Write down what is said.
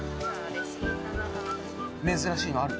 珍しいのある？